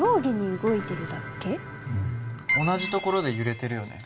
同じ所で揺れてるよね。